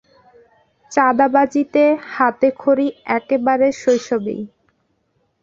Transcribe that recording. চাঁদাবাজিতে হাতেখড়ি একেবারে শৈশবেই।